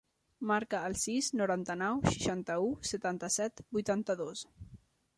Marca el sis, noranta-nou, seixanta-u, setanta-set, vuitanta-dos.